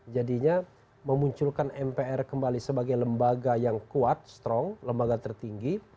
jadinya memunculkan mpr kembali sebagai lembaga yang kuat strong lembaga tertinggi